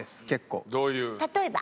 例えば。